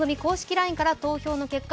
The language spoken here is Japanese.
ＬＩＮＥから投票の結果